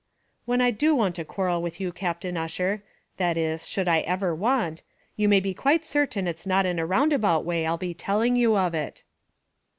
"When I do want to quarrel with you, Captain Ussher, that is, should I ever want, you may be quite certain it's not in a round about way I'll be telling you of it."